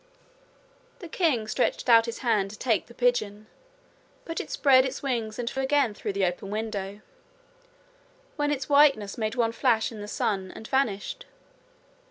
The king stretched out his hand to take the pigeon, but it spread its wings and flew again through the open window, when its Whiteness made one flash in the sun and vanished.